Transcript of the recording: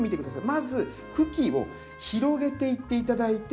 まず茎を広げていって頂いて。